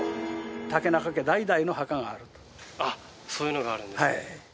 あっそういうのがあるんですね。